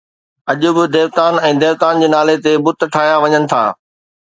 اڄ به ديوتائن ۽ ديوتائن جي نالي تي بت ٺاهيا وڃن ٿا